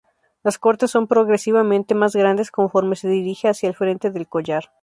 Los cortes son progresivamente más grandes conforme se dirige hacia el frente del collar.